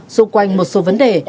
xung quanh một số vấn đề